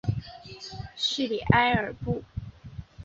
叙里埃布瓦。